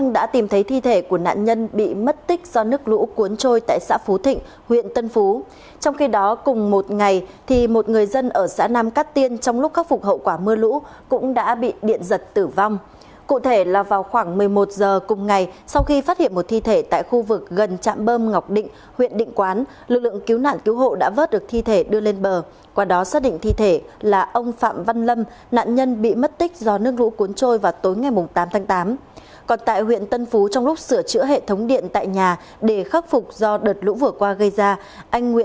để khắc phục do đợt lũ vừa qua gây ra anh nguyễn đức ngọc tiến ba mươi bảy tuổi đã bị điện giật dẫn đến tử vong